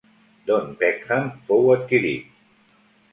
Don Peckham fou adquirit.